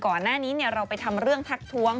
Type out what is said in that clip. ก่อนหน้านี้เราไปทำเรื่องทักท้วง